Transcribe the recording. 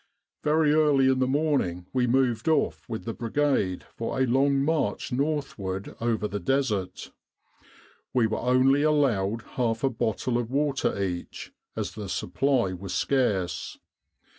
Very early in the morning we moved off with the Brigade for a long march northward over the Desert. We were only allowed half a bottle of water each, as the supply was scarce.